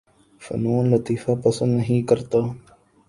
فنون لطیفہ پسند نہیں کرتا